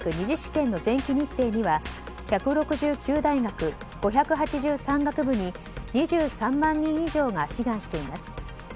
２次試験の前期日程には１６９大学、５８３学部に２３万人以上が志願しています。